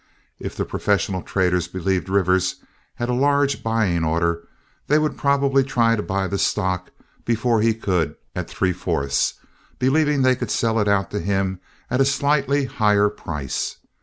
If the professional traders believed Rivers had a large buying order, they would probably try to buy the stock before he could at three fourths, believing they could sell it out to him at a slightly higher price.